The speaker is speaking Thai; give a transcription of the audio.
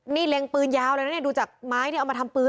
นี่เล็งปืนยาวเลยนะเนี่ยดูจากไม้ที่เอามาทำปืน